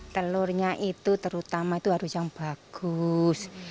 telurnya itu terutama itu harus yang bagus